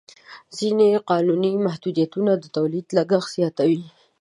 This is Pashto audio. ځینې قانوني محدودیتونه د تولید لګښت زیاتوي.